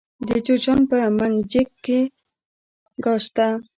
د جوزجان په منګجیک کې ګاز شته.